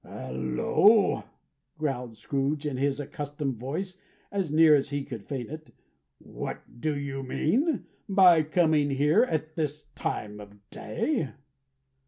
"Hallo!" growled Scrooge, in his accustomed voice as near as he could feign it. "What do you mean by coming here at this time of day?"